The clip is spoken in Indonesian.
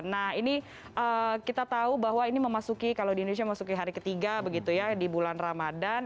nah ini kita tahu bahwa ini memasuki kalau di indonesia memasuki hari ketiga begitu ya di bulan ramadan